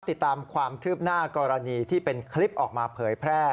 ติดตามความคืบหน้ากรณีที่เป็นคลิปออกมาเผยแพร่